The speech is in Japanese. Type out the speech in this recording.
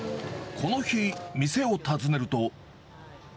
この日、店を訪ねると。